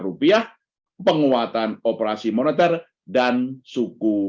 rupiah penguatan operasi moneter dan suku